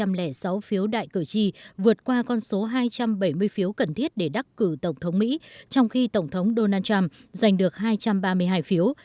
trong khi ông joe biden đã nắm trong tay ba trăm linh sáu phiếu đại cử tri vượt qua con số hai trăm bảy mươi phiếu cần thiết để đắc cử tổng thống mỹ trong khi tổng thống donald trump giành được hai trăm ba mươi hai phiếu